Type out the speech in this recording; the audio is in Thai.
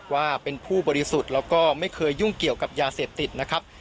ว่าเป็นผู้บริสุทธิ์แล้วก็ไม่เคยยุ่งเกี่ยวกับยาเสพติดนะครับ